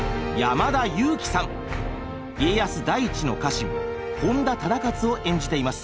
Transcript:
家康第一の家臣本多忠勝を演じています。